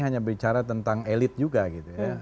hanya bicara tentang elit juga gitu ya